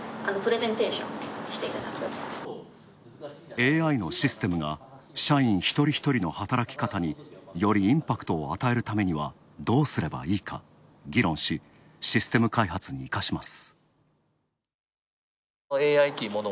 ＡＩのシステムが社員一人一人の働き方によりインパクトを与えるためにはどうすればいいか、議論し、システム開発に生かします。